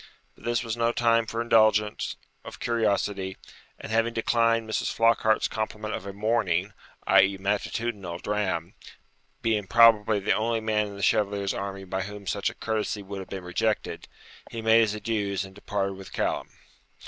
But this was no time for indulgence of curiosity; and having declined Mrs. Flockhart's compliment of a MORNING, i.e. a matutinal dram, being probably the only man in the Chevalier's army by whom such a courtesy would have been rejected, he made his adieus and departed with Callum.